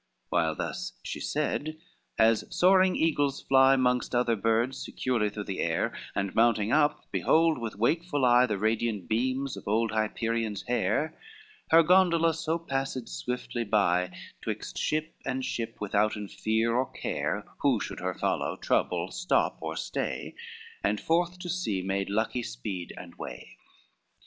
XIV While thus she said, as soaring eagles fly Mongst other birds securely through the air, And mounting up behold with wakeful eye, The radiant beams of old Hyperion's hair, Her gondola so passed swiftly by Twixt ship and ship, withouten fear or care Who should her follow, trouble, stop or stay, And forth to sea made lucky speed and way.